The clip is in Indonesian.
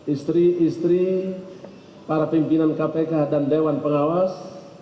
istri istri para pimpinan kpk dan dewan pengawas